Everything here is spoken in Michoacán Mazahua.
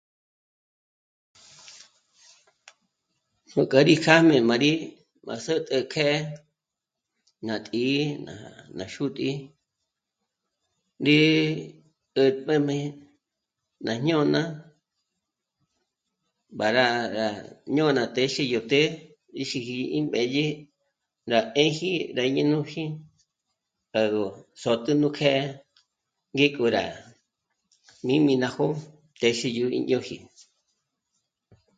Nuk'a rí kjâjmé má rí má sä̌t'a kjë̀'ë ná tǐ'i ná... ná xútǐ'i ndé 'ä̀tp'äjmé ná jñôna mbǎra rá jñôna téxe yó të́'ë xíji í mbédye ná 'ë́ji ndá ñé nú jí'i 'à gó sä̌t'a nú kjë̀'ë, ngék'o rá mī́m'i ná jo'o téxe yó í ñö́ji